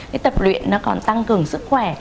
cái tập luyện nó còn tăng cường sức khỏe